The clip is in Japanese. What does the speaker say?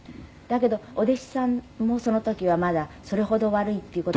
「だけどお弟子さんもその時はまだそれほど悪いっていう事」